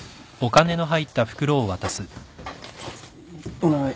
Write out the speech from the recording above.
お願い。